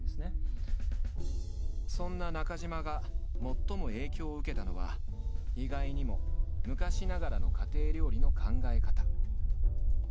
そんな中島が最も影響を受けたのは意外にも昔ながらの家庭料理の考え方。